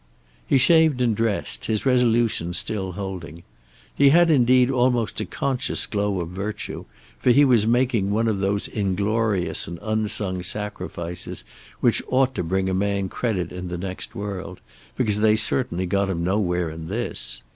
He shaved and dressed, his resolution still holding. He had indeed almost a conscious glow of virtue, for he was making one of those inglorious and unsung sacrifices which ought to bring a man credit in the next world, because they certainly got him nowhere in this.